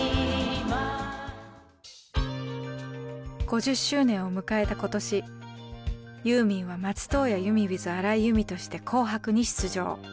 ５０周年を迎えた今年ユーミンは松任谷由実ｗｉｔｈ荒井由実として「紅白」に出場。